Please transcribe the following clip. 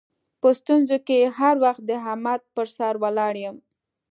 په ستونزو کې هر وخت د احمد پر سر ولاړ یم.